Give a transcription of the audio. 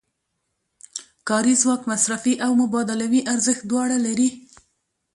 کاري ځواک مصرفي او مبادلوي ارزښت دواړه لري